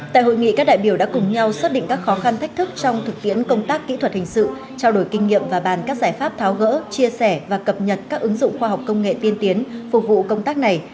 tại hội nghị các đại biểu đã cùng nhau xác định các khó khăn thách thức trong thực tiễn công tác kỹ thuật hình sự trao đổi kinh nghiệm và bàn các giải pháp tháo gỡ chia sẻ và cập nhật các ứng dụng khoa học công nghệ tiên tiến phục vụ công tác này